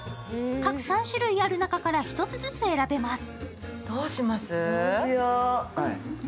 各３種類ある中から１つずつ選べます。